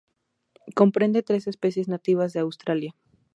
Comprende tres especies nativas de Australia.